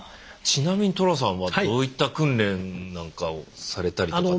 ちなみに寅さんはどういった訓練なんかをされたりとかって。